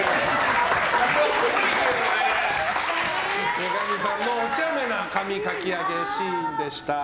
三上さんのおちゃめな髪かきあげシーンでした。